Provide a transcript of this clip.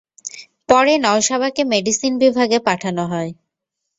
পরে নওশাবাকে মেডিসিন বিভাগে পাঠানো হয়।